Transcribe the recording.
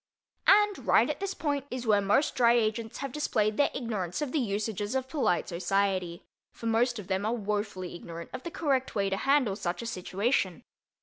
And right at this point is where most Dry Agents have displayed their ignorance of the usages of polite society, for most of them are wofully ignorant of the correct way to handle such a situation.